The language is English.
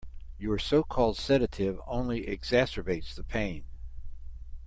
Your so-called sedative only exacerbates the pain.